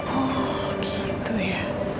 oh gitu ya